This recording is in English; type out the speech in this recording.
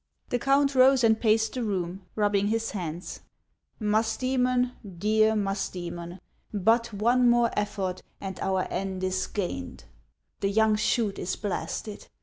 The count rose and paced the room, rubbing his hands. " Musdojmon, dear Musdo?mon, but one more effort, and our end is gained. The young shoot is blasted.